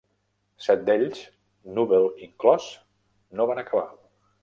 Set d'ells, Knubel inclòs, no van acabar.